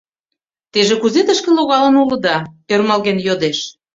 — Теже кузе тышке логалын улыда? — ӧрмалген йодеш.